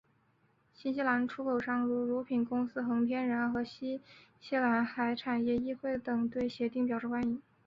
新西兰出口商如乳品公司恒天然和新西兰海产业议会等对协定表示欢迎。